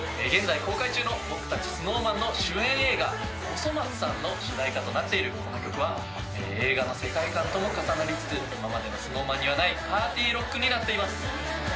現在公開中のＳｎｏｗＭａｎの主演映画『おそ松さん』の主題歌となっているこの曲は映画の世界観とも重なりつつ今までのＳｎｏｗＭａｎにはないパーティーロックになっています。